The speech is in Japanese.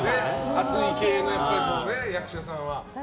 熱い系の役者さんは。